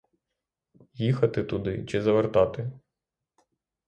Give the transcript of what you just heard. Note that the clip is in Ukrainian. Їхати туди чи завертати?